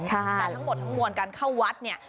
แต่ทั้งหมดทั้งมวลการเข้าวัดเนี่ย